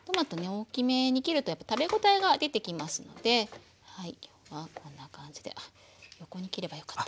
大きめに切るとやっぱ食べ応えが出てきますのではいこんな感じであっ横に切ればよかった。